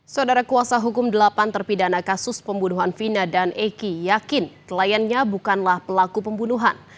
saudara kuasa hukum delapan terpidana kasus pembunuhan vina dan eki yakin kliennya bukanlah pelaku pembunuhan